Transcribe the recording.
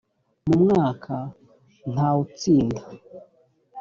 mu mwaka ntawutsinda.